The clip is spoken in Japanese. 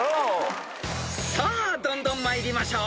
［さあどんどん参りましょう］